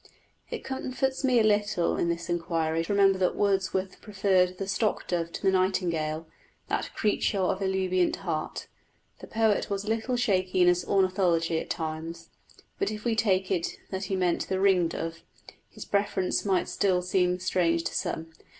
It comforts me a little in this inquiry to remember that Wordsworth preferred the stock dove to the nightingale that "creature of ebullient heart." The poet was a little shaky in his ornithology at times; but if we take it that he meant the ring dove, his preference might still seem strange to some.